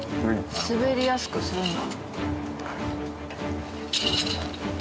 滑りやすくするんだ。